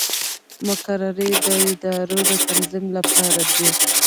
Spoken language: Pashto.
مقررې د ادارو د تنظیم لپاره دي